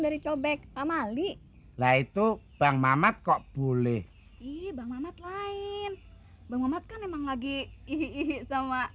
dari cobek kamali lah itu bang mamat kok boleh ii bang mamat lain banget kan emang lagi ih sama